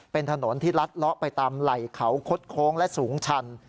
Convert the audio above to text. เป็นถนนที่ลัดเลาะไปตามไหล่เขาคดโค้งและสูงชัน